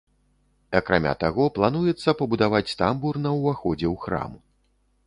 Акрамя таго, плануецца пабудаваць тамбур на ўваходзе ў храм.